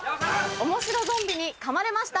・「おもしろゾンビに噛まれました